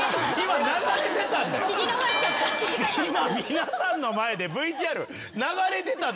今皆さんの前でＶＴＲ流れてた。